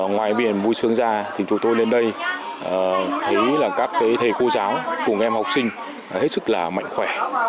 ngoài vì vui sướng ra thì chúng tôi lên đây thấy các thầy cô giáo cùng các em học sinh hết sức là mạnh khỏe